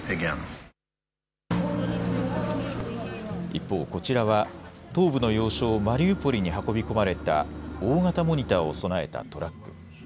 一方、こちらは東部の要衝マリウポリに運び込まれた大型モニターを備えたトラック。